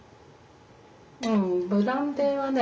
ブランデーはね